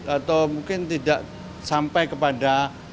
atau mungkin tidak sampai kepada